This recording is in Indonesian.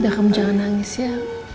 dah kamu jangan nangis ya